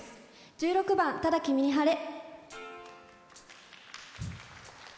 １６番「ただ君に晴れ」。